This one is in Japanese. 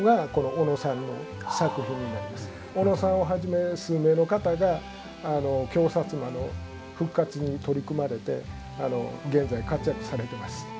小野さんをはじめ数名の方が京薩摩の復活に取り組まれて現在、活躍されています。